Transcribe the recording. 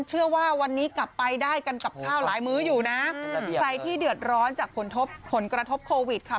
เชื่อว่าวันนี้กลับไปได้กันกับข้าวหลายมื้ออยู่นะใครที่เดือดร้อนจากผลทบผลกระทบโควิดค่ะ